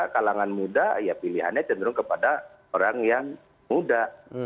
kalangan muda ya pilihannya cenderung kepada orang yang muda